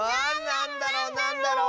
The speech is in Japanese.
なんだろ？